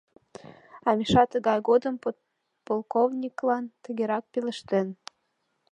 А Миша тыгай годым подполковниклан тыгерак пелештен: